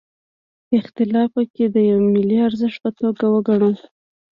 اختلاف پکې د یوه ملي ارزښت په توګه وګڼو.